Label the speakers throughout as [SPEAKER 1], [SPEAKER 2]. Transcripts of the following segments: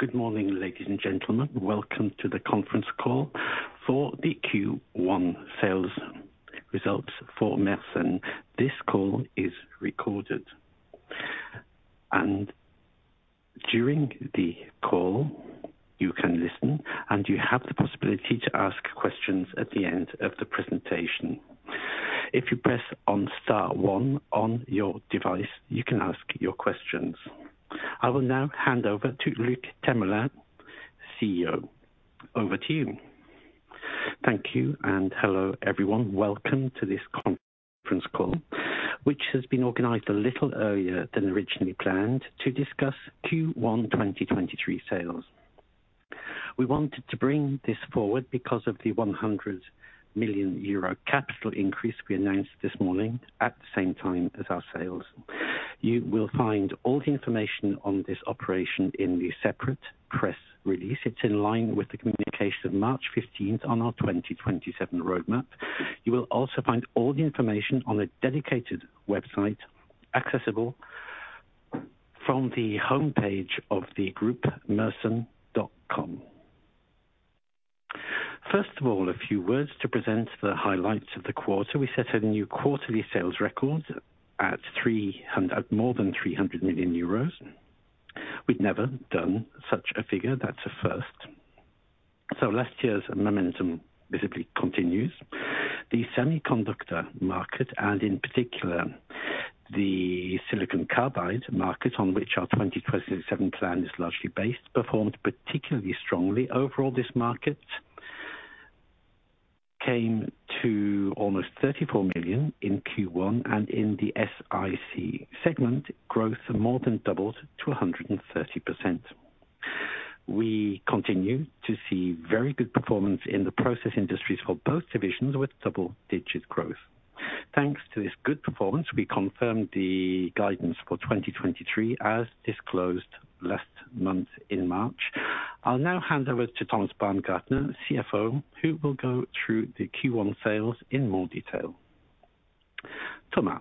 [SPEAKER 1] Good morning, ladies and gentlemen. Welcome to the conference call for the Q1 sales results for Mersen. This call is recorded. During the call, you can listen and you have the possibility to ask questions at the end of the presentation. If you press on star one on your device, you can ask your questions. I will now hand over to Luc Themelin, CEO. Over to you.
[SPEAKER 2] Thank you. Hello, everyone. Welcome to this conference call, which has been organized a little earlier than originally planned to discuss Q1 2023 sales. We wanted to bring this forward because of the 100 million euro capital increase we announced this morning at the same time as our sales. You will find all the information on this operation in the separate press release. It's in line with the communication of March 15th on our 2027 roadmap. You will also find all the information on a dedicated website accessible from the homepage of the group Mersen.com. First of all, a few words to present the highlights of the quarter. We set a new quarterly sales record at More than 300 million euros. We've never done such a figure. That's a first. Last year's momentum visibly continues. The semiconductor market, and in particular the silicon carbide market, on which our 2027 plan is largely based, performed particularly strongly. Overall, this market came to almost 34 million in Q1, and in the SiC segment, growth more than doubled to 130%. We continue to see very good performance in the process industries for both divisions with double-digit growth. Thanks to this good performance, we confirmed the guidance for 2023 as disclosed last month in March. I'll now hand over to Thomas Baumgartner, CFO, who will go through the Q1 sales in more detail. Thomas.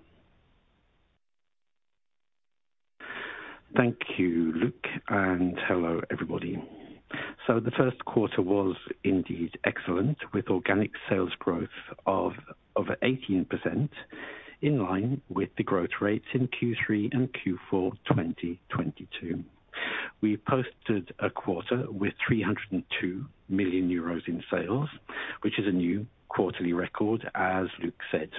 [SPEAKER 3] Thank you, Luc, hello, everybody. The first quarter was indeed excellent, with organic sales growth of over 18% in line with the growth rates in Q3 and Q4 2022. We posted a quarter with 302 million euros in sales, which is a new quarterly record, as Luc said.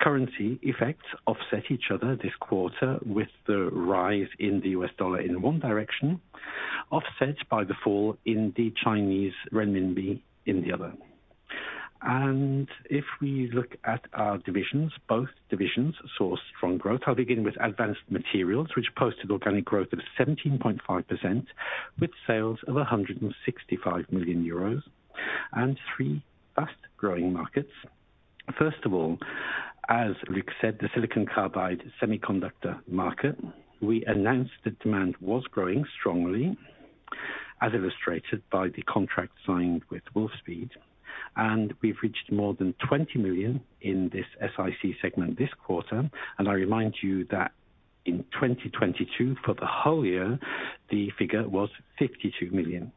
[SPEAKER 3] Currency effects offset each other this quarter with the rise in the US dollar in one direction, offset by the fall in the Chinese renminbi in the other. If we look at our divisions, both divisions saw strong growth. I'll begin with Advanced Materials, which posted organic growth of 17.5% with sales of EUR 165 million and three fast-growing markets. First of all, as Luc said, the silicon carbide semiconductor market. We announced the demand was growing strongly, as illustrated by the contract signed with Wolfspeed. We've reached more than 20 million in this SiC segment this quarter. I remind you that in 2022, for the whole year, the figure was 52 million.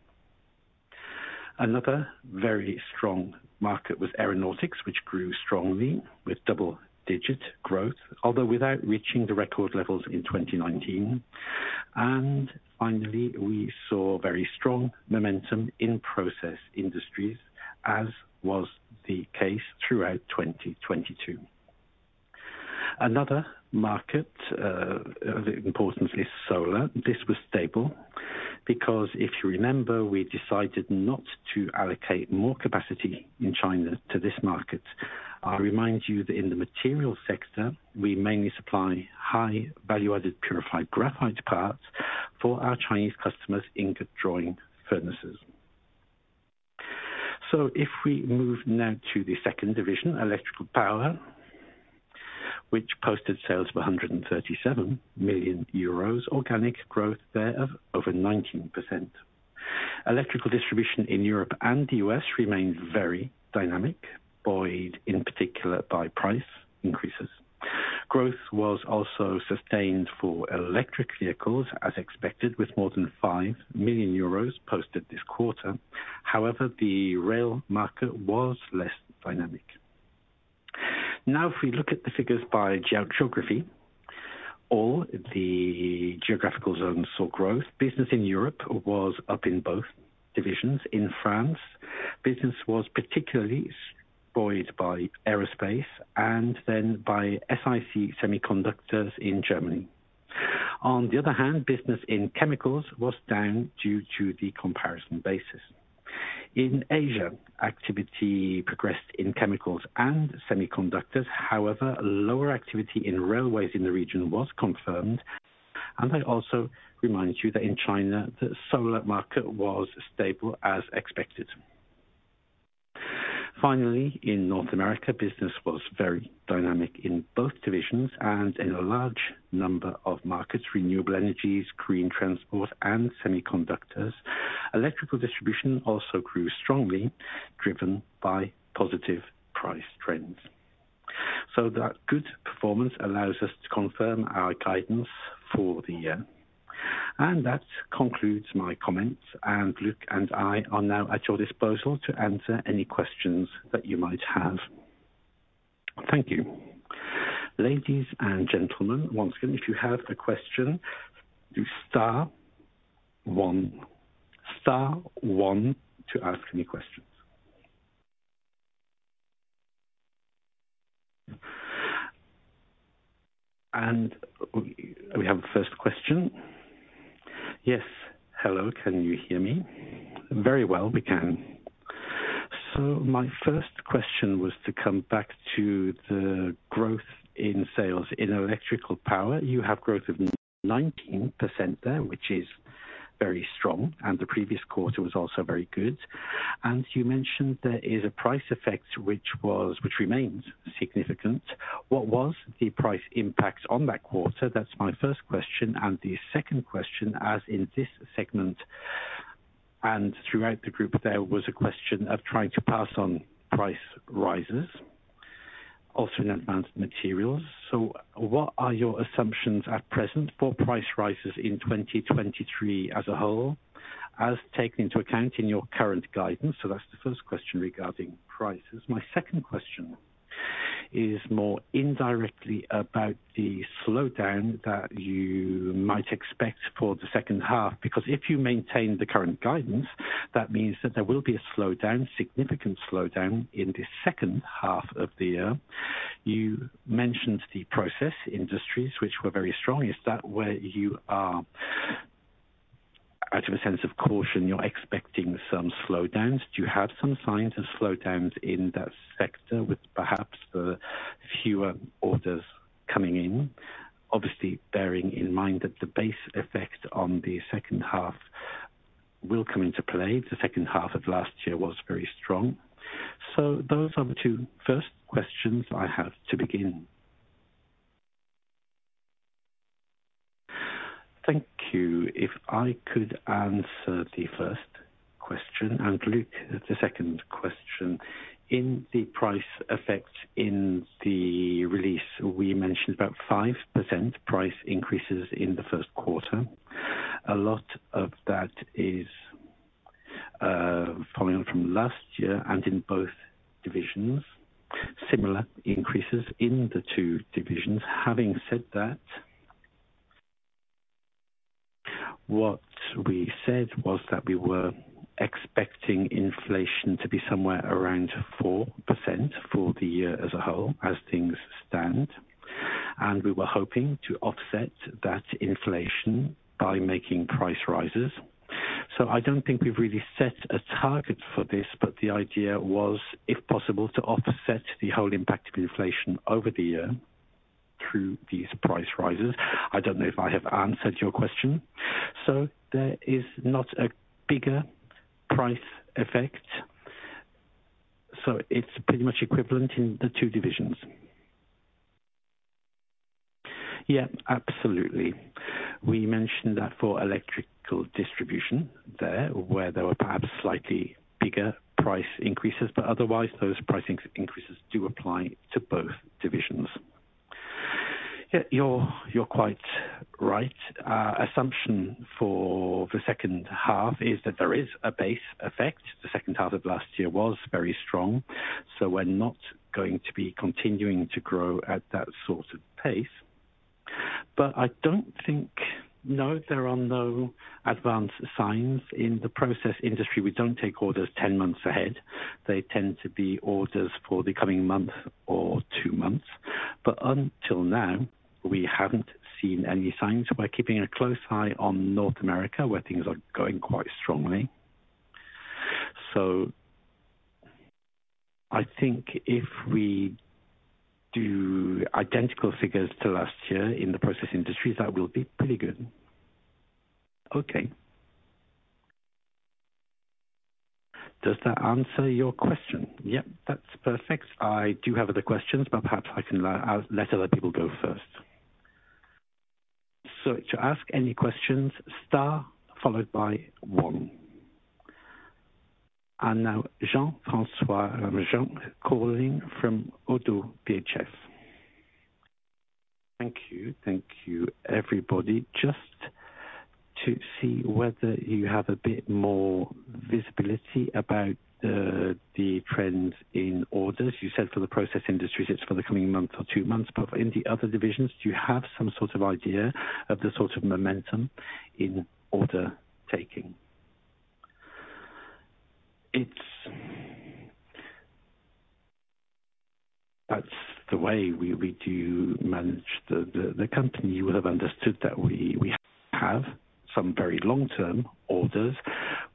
[SPEAKER 3] Another very strong market was aeronautics, which grew strongly with double-digit growth, although without reaching the record levels in 2019. Finally, we saw very strong momentum in process industries, as was the case throughout 2022. Another market of importance is solar. This was stable because if you remember, we decided not to allocate more capacity in China to this market. I remind you that in the material sector we mainly supply high value-added purified graphite parts for our Chinese customers in drawing furnaces. If we move now to the second division, Electrical Power, which posted sales of 137 million euros, organic growth there of over 19%. Electrical distribution in Europe and the U.S. remains very dynamic, buoyed in particular by price increases. Growth was also sustained for electric vehicles, as expected, with more than 5 million euros posted this quarter. However, the rail market was less dynamic. Now, if we look at the figures by geography, all the geographical zones saw growth. Business in Europe was up in both divisions. In France, business was particularly buoyed by aerospace and then by SiC in Germany. On the other hand, business in chemicals was down due to the comparison basis. In Asia, activity progressed in chemicals and semiconductors. However, lower activity in railways in the region was confirmed. I also remind you that in China, the solar market was stable as expected. Finally, in North America, business was very dynamic in both divisions and in a large number of markets, renewable energies, green transport and semiconductors. Electrical distribution also grew strongly, driven by positive price trends. That good performance allows us to confirm our guidance for the year. That concludes my comments. Luc and I are now at your disposal to answer any questions that you might have.
[SPEAKER 1] Thank you. Ladies and gentlemen, once again, if you have a question, do star one. Star one to ask any questions. We have the first question.
[SPEAKER 4] Yes. Hello, can you hear me? Very well, we can. My first question was to come back to the growth in sales in Electrical Power. You have growth of 19% there, which is very strong. The previous quarter was also very good. You mentioned there is a price effect which remains significant. What was the price impact on that quarter? That's my first question. The second question, as in this segment and throughout the group, there was a question of trying to pass on price rises, also in Advanced Materials. What are your assumptions at present for price rises in 2023 as a whole, as taken into account in your current guidance? That's the first question regarding prices. My second question is more indirectly about the slowdown that you might expect for the second half. Because if you maintain the current guidance, that means that there will be a significant slowdown in the second half of the year. You mentioned the process industries which were very strong. Is that where you are out of a sense of caution, you're expecting some slowdowns? Do you have some signs of slowdowns in that sector with perhaps fewer orders coming in? Obviously, bearing in mind that the base effect on the second half will come into play. The second half of last year was very strong. Those are the two first questions I have to begin. Thank you.
[SPEAKER 3] If I could answer the first question and Luc the second question. In the price effect in the release, we mentioned about 5% price increases in the first quarter. A lot of that is following from last year and in both divisions, similar increases in the two divisions. Having said that, what we said was that we were expecting inflation to be somewhere around 4% for the year as a whole as things stand, and we were hoping to offset that inflation by making price rises. I don't think we've really set a target for this, but the idea was, if possible, to offset the whole impact of inflation over the year through these price rises. I don't know if I have answered your question. There is not a bigger price effect. It's pretty much equivalent in the two divisions.
[SPEAKER 2] Yeah, absolutely. We mentioned that for electrical distribution there, where there were perhaps slightly bigger price increases, but otherwise those pricing increases do apply to both divisions. Yeah, you're quite right. Assumption for the second half is that there is a base effect. The second half of last year was very strong, we're not going to be continuing to grow at that sort of pace. No, there are no advanced signs in the process industry. We don't take orders 10 months ahead. They tend to be orders for the coming month or two months. Until now, we haven't seen any signs. We're keeping a close eye on North America, where things are going quite strongly. I think if we do identical figures to last year in the process industries, that will be pretty good. Okay. Does that answer your question?
[SPEAKER 4] Yep, that's perfect. I do have other questions, but perhaps I can let other people go first.
[SPEAKER 1] To ask any questions, star followed by one. Now Jean-François Delpech calling from ODDO BHF.
[SPEAKER 5] Thank you. Thank you, everybody. Just to see whether you have a bit more visibility about the trend in orders? You said for the process industries, it's for the coming month or two months, but in the other divisions, do you have some sort of idea of the sort of momentum in order taking?
[SPEAKER 2] That's the way we manage the company. You would have understood that we have some very long-term orders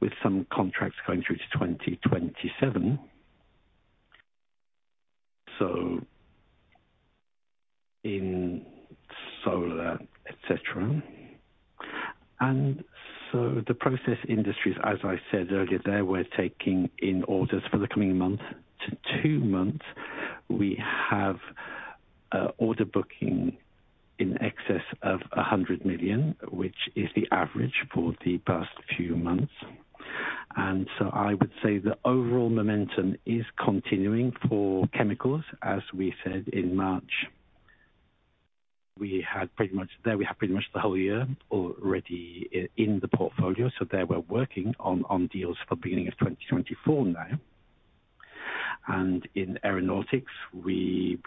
[SPEAKER 2] with some contracts going through to 2027. In solar, et cetera. The process industries, as I said earlier, there we're taking in orders for the coming month to two months. We have order booking in excess of 100 million, which is the average for the past few months. I would say the overall momentum is continuing for chemicals, as we said in March. There we have pretty much the whole year already in the portfolio. There we're working on deals for beginning of 2024 now. In aeronautics, we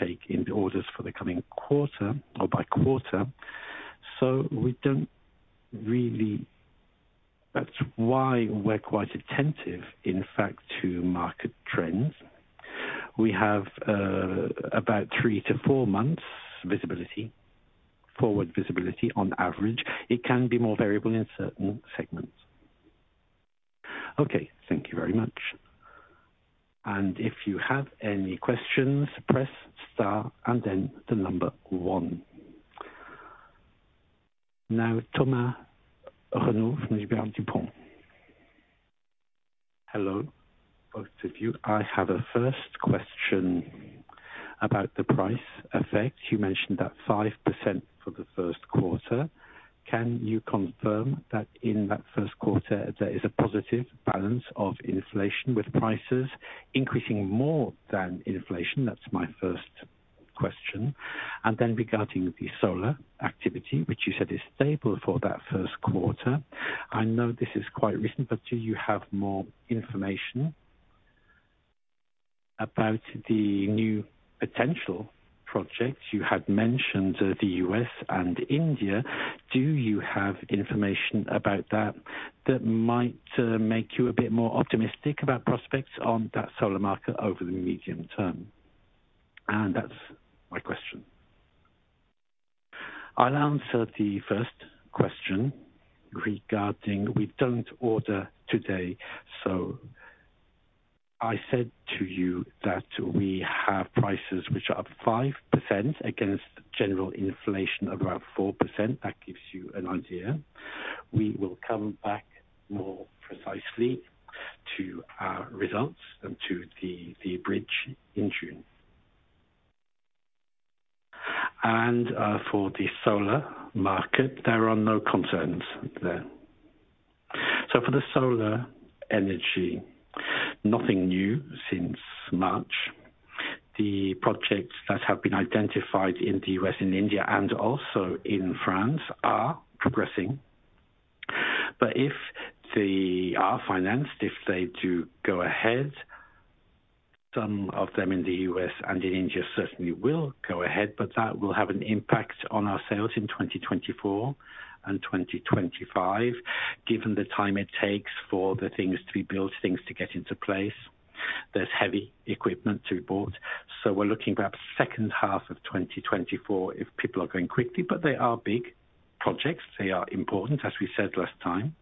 [SPEAKER 2] take in the orders for the coming quarter or by quarter. We don't really. That's why we're quite attentive, in fact, to market trends. We have about three-four months visibility, forward visibility on average. It can be more variable in certain segments.
[SPEAKER 4] Okay, thank you very much.
[SPEAKER 1] If you have any questions, press star and then one. Thomas Renaud from Gilbert Dupont.
[SPEAKER 6] Hello, both of you. I have a first question about the price effect. You mentioned that 5% for the first quarter. Can you confirm that in that first quarter, there is a positive balance of inflation with prices increasing more than inflation? That's my first question. Regarding the solar activity, which you said is stable for that first quarter. I know this is quite recent, but do you have more information about the new potential projects you had mentioned, the U.S. and India? Do you have information about that that might make you a bit more optimistic about prospects on that solar market over the medium term? That's my question.
[SPEAKER 3] I'll answer the first question regarding we don't order today. I said to you that we have prices which are up 5% against general inflation of around 4%. That gives you an idea. We will come back more precisely to our results and to the bridge in June. For the solar market, there are no concerns there. For the solar energy, nothing new since March. The projects that have been identified in the US and India and also in France are progressing. If they are financed, if they do go ahead, some of them in the US and in India, certainly will go ahead, but that will have an impact on our sales in 2024 and 2025, given the time it takes for the things to be built, things to get into place. There's heavy equipment to be bought. We're looking perhaps second half of 2024 if people are going quickly. They are big projects. They are important, as we said last time,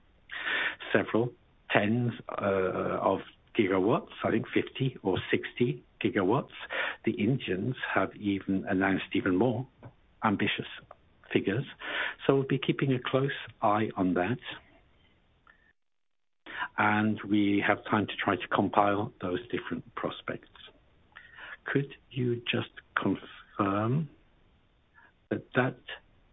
[SPEAKER 3] several tens of gigawatts, I think 50 or 60 gigawatts. The Indians have even announced even more ambitious figures. We'll be keeping a close eye on that. We have time to try to compile those different prospects.
[SPEAKER 2] Could you just confirm that that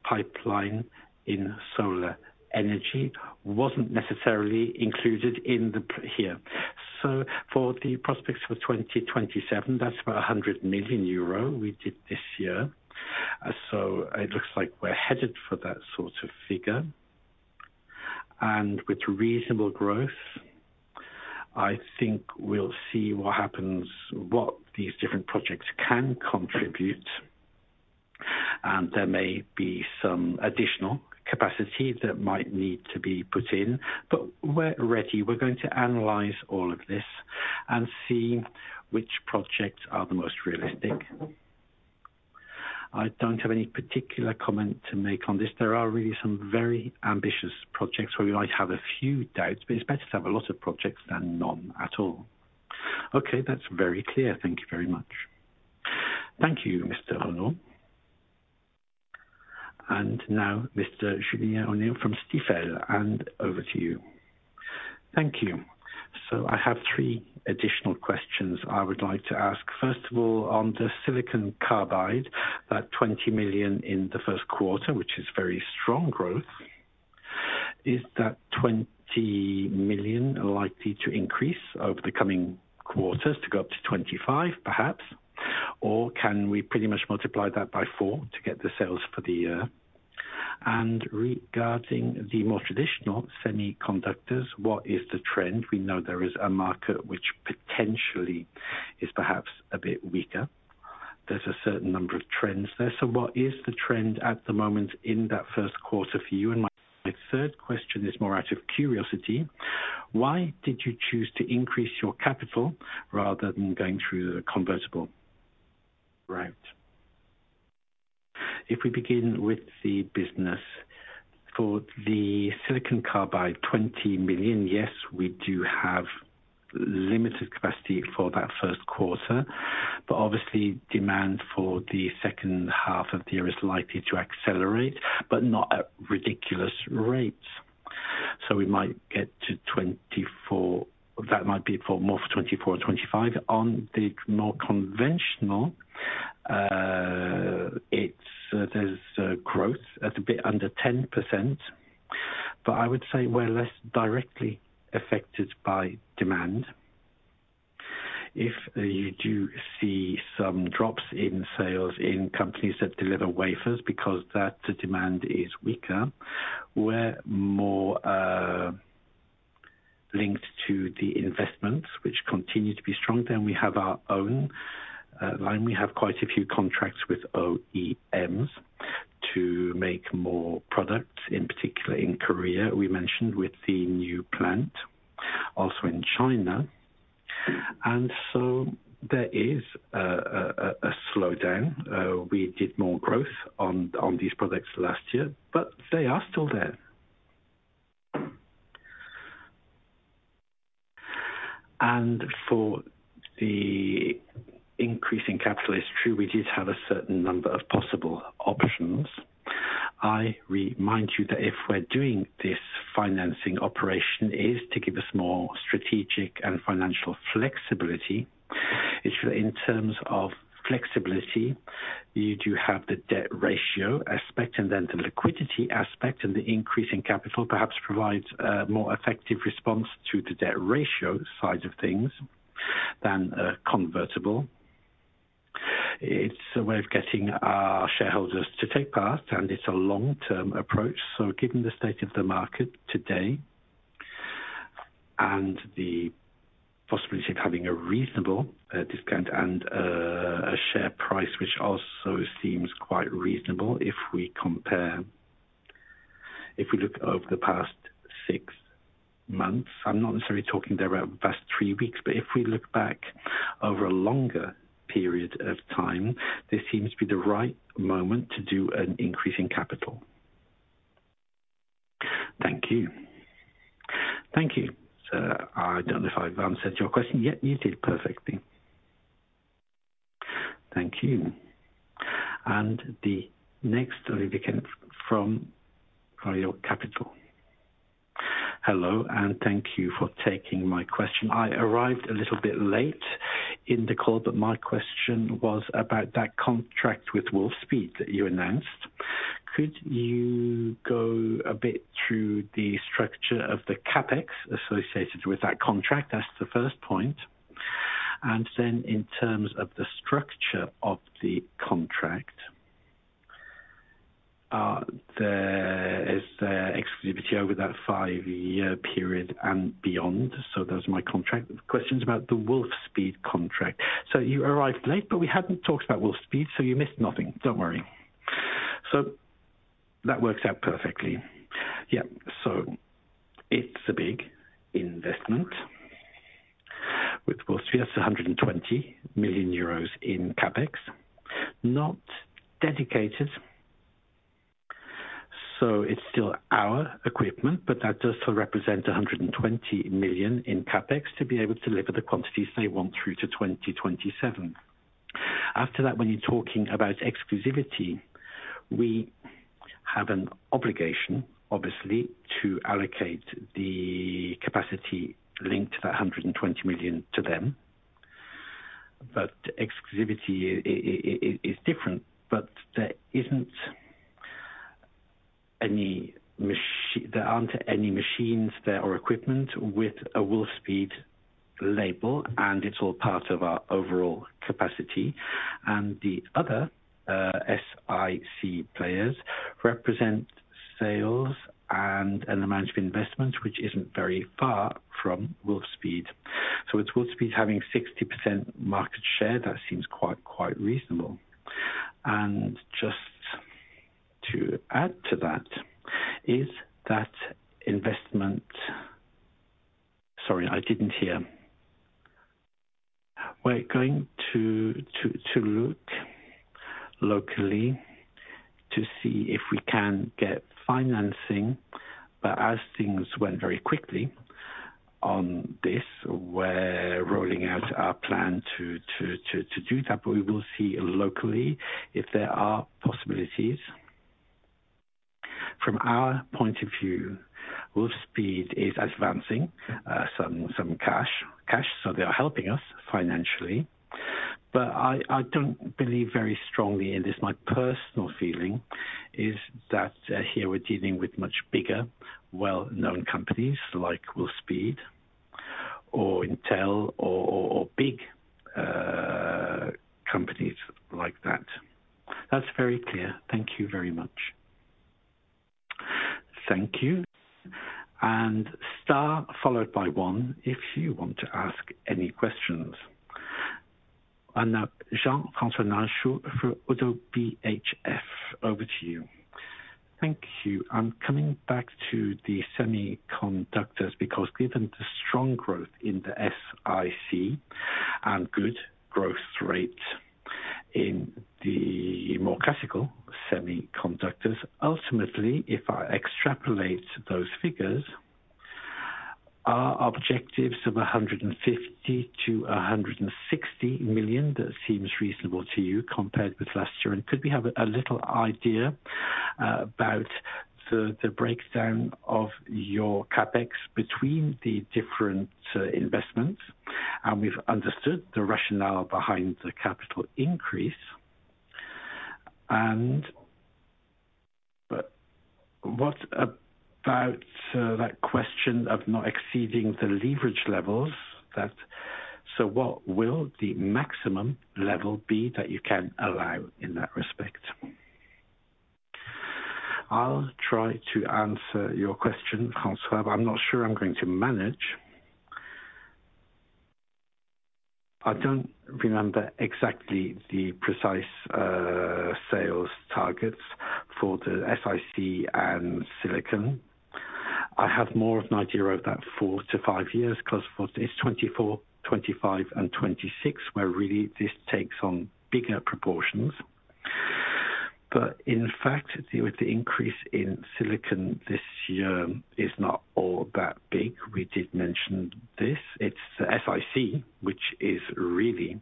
[SPEAKER 2] pipeline in solar energy wasn't necessarily included in the here. For the prospects for 2027, that's about 100 million euro we did this year. It looks like we're headed for that sort of figure. With reasonable growth, I think we'll see what happens, what these different projects can contribute, and there may be some additional capacity that might need to be put in. We're ready. We're going to analyze all of this and see which projects are the most realistic. I don't have any particular comment to make on this. There are really some very ambitious projects where we might have a few doubts, but it's better to have a lot of projects than none at all.
[SPEAKER 6] Okay. That's very clear. Thank you very much.
[SPEAKER 1] Thank you, Mr. Renaud. Now Mr. Julien Onillon from Stifel, over to you.
[SPEAKER 7] Thank you. I have three additional questions I would like to ask. First of all, on the silicon carbide, that 20 million in the first quarter, which is very strong growth. Is that 20 million likely to increase over the coming quarters to go up to 25, perhaps? Can we pretty much multiply that by four to get the sales for the year? Regarding the more traditional semiconductors, what is the trend? We know there is a market which potentially is perhaps a bit weaker. There's a certain number of trends there. What is the trend at the moment in that first quarter for you? My third question is more out of curiosity, why did you choose to increase your capital rather than going through the convertible route?
[SPEAKER 2] If we begin with the business, for the silicon carbide, 20 million, yes, we do have limited capacity for that first quarter, but obviously demand for the second half of the year is likely to accelerate, but not at ridiculous rates. We might get to 2024. That might be for more for 2024 and 2025. On the more conventional, it's there's growth at a bit under 10%, but I would say we're less directly affected by demand. If you do see some drops in sales in companies that deliver wafers because that demand is weaker, we're more linked to the investments which continue to be strong. We have our own line. We have quite a few contracts with OEMs to make more products, in particular in Korea, we mentioned with the new plant, also in China. There is a slowdown. We did more growth on these products last year, they are still there. For the increase in capital is true, we did have a certain number of possible options. I remind you that if we're doing this financing operation is to give us more strategic and financial flexibility. In terms of flexibility, you do have the debt ratio aspect and then the liquidity aspect, and the increase in capital perhaps provides a more effective response to the debt ratio side of things than a convertible. It's a way of getting our shareholders to take part, and it's a long-term approach. Given the state of the market today and the possibility of having a reasonable discount and a share price, which also seems quite reasonable if we compare, if we look over the past six months. I'm not necessarily talking the past three weeks, but if we look back over a longer period of time, this seems to be the right moment to do an increase in capital. Thank you. Thank you. I don't know if I've answered your question yet.
[SPEAKER 7] You did perfectly. Thank you.
[SPEAKER 1] The next will from Carmignac Capital.
[SPEAKER 8] Hello, thank you for taking my question. I arrived a little bit late in the call, but my question was about that contract with Wolfspeed that you announced. Could you go a bit through the structure of the CapEx associated with that contract? That's the first point. In terms of the structure of the contract, is there exclusivity over that 5-year period and beyond? Those are my contract questions about the Wolfspeed contract.
[SPEAKER 2] You arrived late, but we hadn't talked about Wolfspeed, so you missed nothing. Don't worry. That works out perfectly. Yeah. It's a big investment with Wolfspeed. That's 120 million euros in CapEx, not dedicated. It's still our equipment, but that does still represent 120 million in CapEx to be able to deliver the quantities they want through to 2027. After that, when you're talking about exclusivity, we have an obligation, obviously, to allocate the capacity linked to that 120 million to them. Exclusivity is different, but there aren't any machines there or equipment with a Wolfspeed label, and it's all part of our overall capacity. The other SiC players represent sales and the management investment, which isn't very far from Wolfspeed. With Wolfspeed having 60% market share, that seems quite reasonable. Just to add to that, is that investment... Sorry, I didn't hear. We're going to look locally to see if we can get financing. As things went very quickly on this, we're rolling out our plan to do that, but we will see locally if there are possibilities. From our point of view, Wolfspeed is advancing some cash, so they are helping us financially. I don't believe very strongly in this. My personal feeling is that here we're dealing with much bigger, well-known companies like Wolfspeed or Intel or big companies like that.
[SPEAKER 8] That's very clear. Thank you very much.
[SPEAKER 1] Thank you. star followed by one if you want to ask any questions. Now Jean-François Delpech for ODDO BHF, over to you.
[SPEAKER 5] Thank you. I'm coming back to the semiconductors because given the strong growth in the SiC and good growth rate in the more classical semiconductors, ultimately, if I extrapolate those figures, are objectives of 150 million-160 million that seems reasonable to you compared with last year? Could we have a little idea about the breakdown of your CapEx between the different investments? We've understood the rationale behind the capital increase and... What about that question of not exceeding the leverage levels? What will the maximum level be that you can allow in that respect?
[SPEAKER 3] I'll try to answer your question, François. I'm not sure I'm going to manage. I don't remember exactly the precise sales targets for the SiC and silicon. I have more of an idea about four to five years 'cause it's 2024, 2025, and 2026, where really this takes on bigger proportions. In fact, with the increase in silicon this year is not all that big. We did mention this. It's SiC, which is really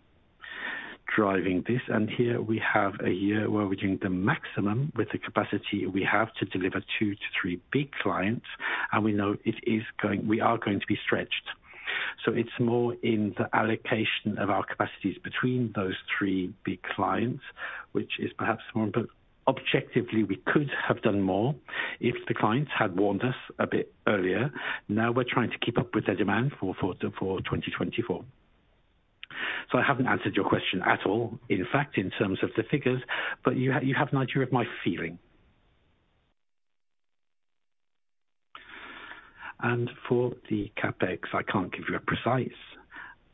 [SPEAKER 3] driving this. Here we have a year where we're doing the maximum with the capacity we have to deliver two to three big clients, and we know we are going to be stretched. It's more in the allocation of our capacities between those three big clients, which is perhaps one. Objectively, we could have done more if the clients had warned us a bit earlier. Now we're trying to keep up with their demand for 2024. I haven't answered your question at all, in fact, in terms of the figures, but you have an idea of my feeling. For the CapEx, I can't give you a precise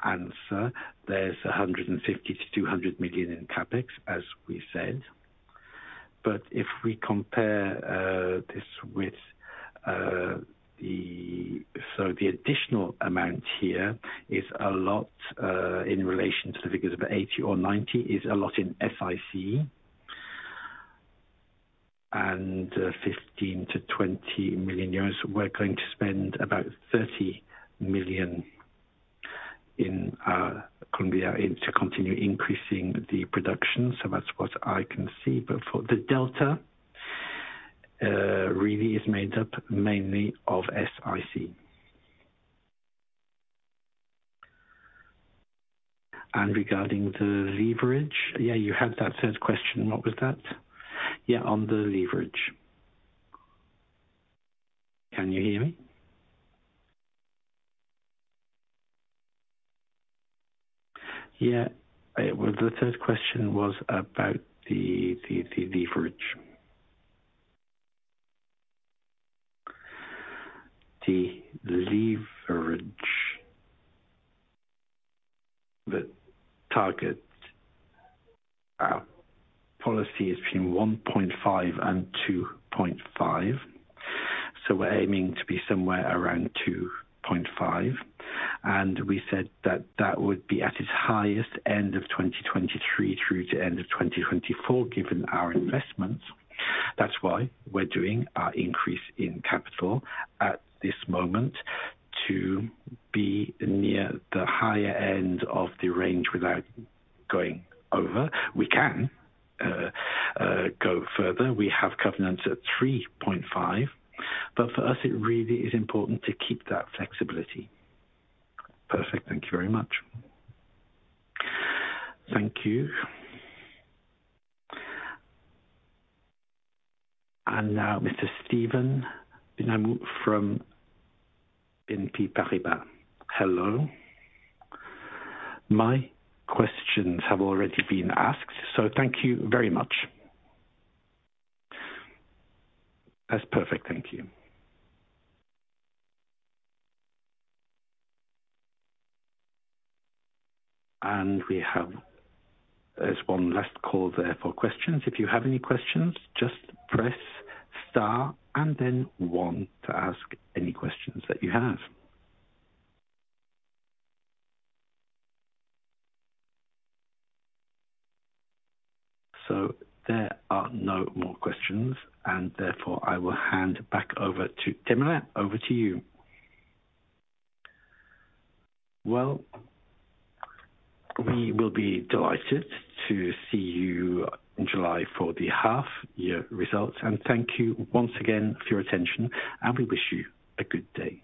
[SPEAKER 3] answer. There's 150 million-200 million in CapEx, as we said. If we compare this with. The additional amount here is a lot in relation to the figures of 80 million or 90 million, is a lot in SiC. 15 million-20 million euros, we're going to spend about 30 million in Columbia to continue increasing the production. That's what I can see. For the delta, really is made up mainly of SiC. Regarding the leverage. Yeah, you had that third question. What was that? Yeah, on the leverage.
[SPEAKER 5] Can you hear me? Yeah. The third question was about the leverage. The leverage.
[SPEAKER 3] The target policy is between 1.5 and 2.5. We're aiming to be somewhere around 2.5. We said that that would be at its highest end of 2023 through to end of 2024, given our investments. That's why we're doing our increase in capital at this moment to be near the higher end of the range without going over. We can go further. We have covenants at 3.5, for us it really is important to keep that flexibility.
[SPEAKER 5] Perfect. Thank you very much. Thank you.
[SPEAKER 1] Now Mr. Stephen Benhamou from BNP Paribas.
[SPEAKER 9] Hello. My questions have already been asked, thank you very much.
[SPEAKER 1] That's perfect. Thank you. There's one last call there for questions. If you have any questions, just press star and then one to ask any questions that you have. There are no more questions, therefore I will hand back over to. Over to you.
[SPEAKER 5] Well, we will be delighted to see you in July for the half year results, thank you once again for your attention, we wish you a good day.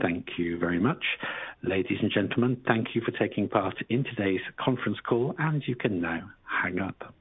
[SPEAKER 5] Thank you very much.
[SPEAKER 1] Ladies and gentlemen, thank you for taking part in today's conference call, and you can now hang up.